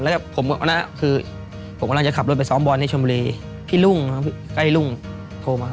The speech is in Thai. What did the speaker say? แล้วผมกำลังจะขับรถไปซ้อมบอลที่ชมบุรีพี่รุ่งใกล้รุ่งโทรมา